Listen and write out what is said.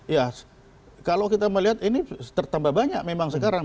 ya kalau kita melihat ini tertambah banyak memang sekarang